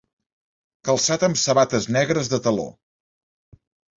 Calçat amb sabates negres de taló.